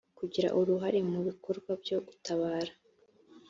kugira uruhare mu bikorwa byo gutabara